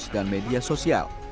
dan media sosial